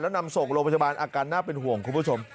แล้วนำส่งโรงพยาบาลอาการน่าเป็นห่วงคุณผู้ชม